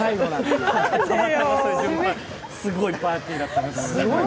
すごいパーティーだったなと思います。